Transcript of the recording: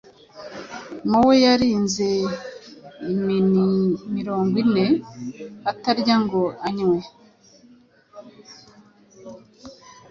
Moe yarize imini mirongo ine, atarya ngo anywe,